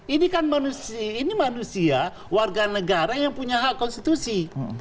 ini kan manusia warga negara yang punya hak konstitusi